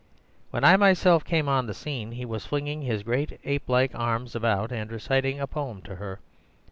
When I myself came on the scene he was flinging his great, ape like arms about and reciting a poem to her.